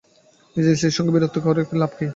নিজের স্ত্রীর সঙ্গে বীরত্ব করে লাভ কী।